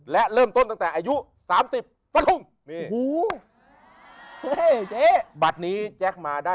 และเริ่มต้นตั้งแต่อายุ๓๐